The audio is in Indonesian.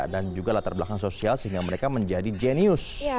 dan juga latar belakang sosial sehingga mereka menjadi jenius